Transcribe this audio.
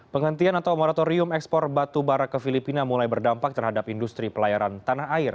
penghentian atau moratorium ekspor batu bara ke filipina mulai berdampak terhadap industri pelayaran tanah air